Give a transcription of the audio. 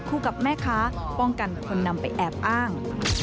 กับแม่ค้าป้องกันคนนำไปแอบอ้าง